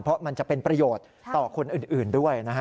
เพราะมันจะเป็นประโยชน์ต่อคนอื่นด้วยนะฮะ